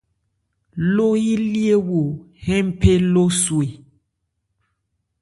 Lo yilyéwo hɛ́npe lo swe.